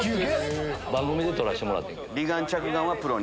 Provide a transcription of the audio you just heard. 番組で取らせてもらってん。